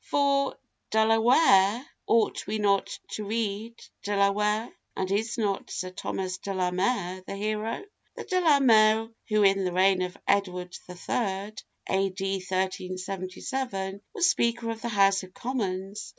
For De la Ware, ought we not to read De la Mare? and is not Sir Thomas De la Mare the hero? the De la Mare who in the reign of Edward III., A.D. 1377, was Speaker of the House of Commons.